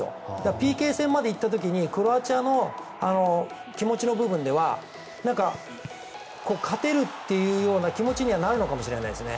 ＰＫ戦まで行った時にクロアチアの気持ちの部分では勝てるっていう気持ちにはなるのかもしれないですね。